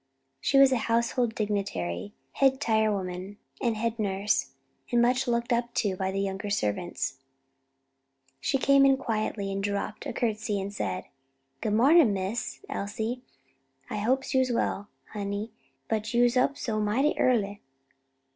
She was a household dignitary, head tire woman, and head nurse, and much looked up to by the younger servants. She came in quietly and dropping a courtesy said, "Good mornin', Miss Elsie, I hope you's well, honey, but you's up so mighty early."